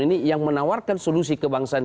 ini yang menawarkan solusi kebangsaan